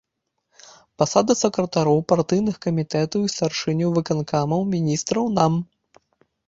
Пасады сакратароў партыйных камітэтаў і старшыняў выканкамаў, міністраў, нам.